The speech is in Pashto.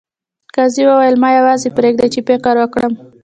قاضي وویل ما یوازې پریږدئ چې فکر وکړم.